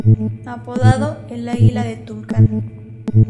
Apodado "El Águila de Tulcán".